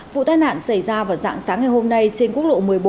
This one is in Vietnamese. vụ tai nạn xảy ra vào dạng sáng ngày hôm nay trên quốc lộ một mươi bốn